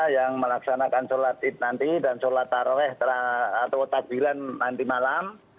yang melaksanakan sholat id nanti dan sholat taraweh atau takbilan nanti malam